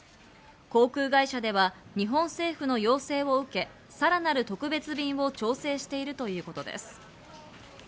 航空会社では日本政府の要請を受け、さらなる特別便を調整しているということです。